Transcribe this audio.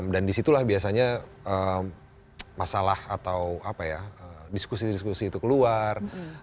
dan disitulah biasanya masalah atau diskusi diskusi itu keluar